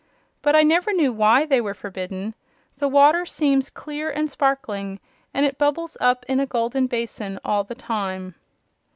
But I never knew WHY they were forbidden. The water seems clear and sparkling and it bubbles up in a golden basin all the time."